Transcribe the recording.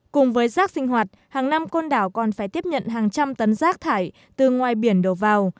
cùng với rác sinh hoạt hàng năm côn đảo còn phải tiếp nhận hàng trăm tấn rác thải từ ngoài biển đổ vào